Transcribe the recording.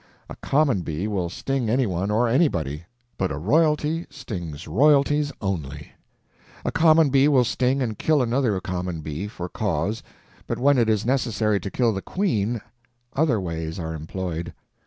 A common bee will sting any one or anybody, but a royalty stings royalties only. A common bee will sting and kill another common bee, for cause, but when it is necessary to kill the queen other ways are employed.